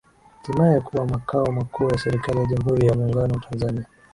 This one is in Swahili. Hatimaye kuwa makao makuu ya Serikali ya Jamhuri ya Muungano wa Tanzania